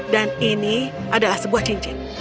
dan ini adalah sebuah cincin